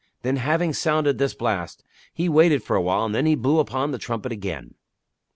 Then, having sounded this blast, he waited for a while and then he blew upon the trumpet again.